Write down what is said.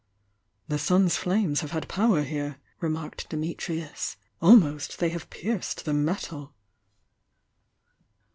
"The sun's flames have had power here," remarked Dimitrius. "Almost they have pierced the metal."